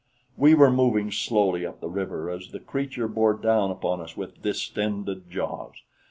We were moving slowly up the river as the creature bore down upon us with distended jaws.